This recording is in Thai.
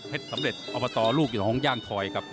เพชรสำเร็จอบตลูกหนองย่างทอยครับ